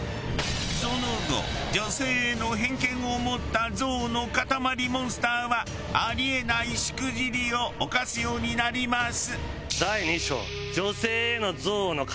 その後女性への偏見を持った憎悪の塊モンスターはあり得ないしくじりを犯すようになります。